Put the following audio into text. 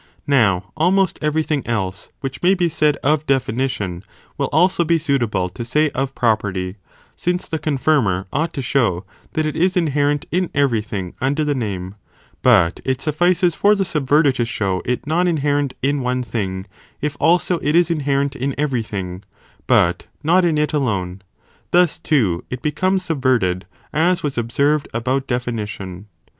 Now almost every thing else, which may be said of definition, will also be suitable to say of property, since the » confirmer ought to show that it is inherent in every thing under the name, but it suffices for the subverter to show it non inherent in one thing ; if also it is inherent in every thing, but not in it alone, thus too, it becomes sub 5. Also of ge verted, as was observed about definition.